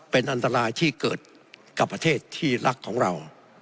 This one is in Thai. เป็นอันตรายที่เกิดกับประเทศที่รักของเรา